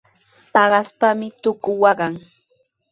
Paqaspami tuku waqan.